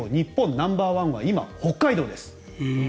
ナンバーワンは今今、北海道です。